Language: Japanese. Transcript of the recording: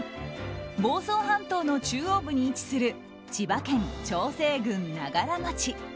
房総半島の中央部に位置する千葉県長生郡長柄町。